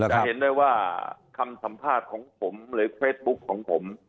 จะเห็นได้ว่าคำสัมภาษณ์ของผมหรือเฟซบุ๊คของผม